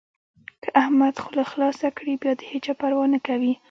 که احمد خوله خلاصه کړي؛ بيا د هيچا پروا نه کوي.